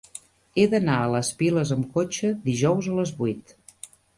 He d'anar a les Piles amb cotxe dijous a les vuit.